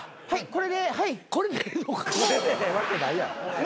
これでええわけないやん。